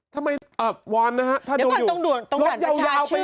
ทำไมอ่ะวันนะฮะ